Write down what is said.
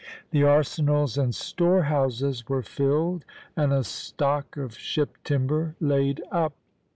The arsenals and storehouses were filled, and a stock of ship timber laid up.